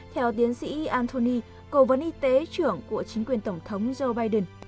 theo tiến sĩ anthony cố vấn y tế trưởng của chính quyền tổng thống joe biden